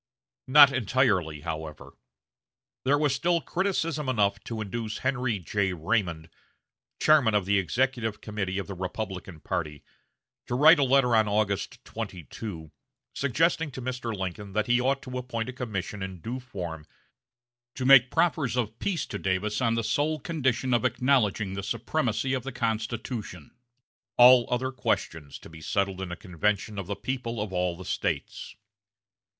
Not entirely, however. There was still criticism enough to induce Henry J. Raymond, chairman of the executive committee of the Republican party, to write a letter on August 22, suggesting to Mr. Lincoln that he ought to appoint a commission in due form to make proffers of peace to Davis on the sole condition of acknowledging the supremacy of the Constitution; all other questions to be settled in a convention of the people of all the States.